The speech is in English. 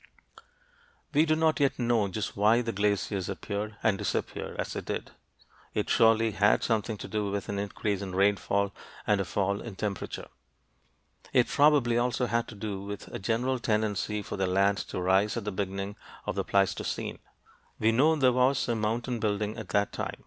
We do not yet know just why the glaciers appeared and disappeared, as they did. It surely had something to do with an increase in rainfall and a fall in temperature. It probably also had to do with a general tendency for the land to rise at the beginning of the Pleistocene. We know there was some mountain building at that time.